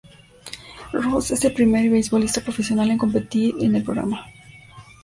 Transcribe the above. Ross es el primer beisbolista profesional en competir en el programa.